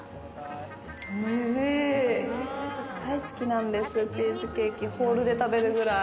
大好きなんです、チーズケーキ、ホールで食べるくらい。